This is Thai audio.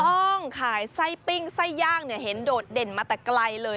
ต้องขายไส้ปิ้งไส้ย่างเนี่ยเห็นโดดเด่นมาแต่ไกลเลย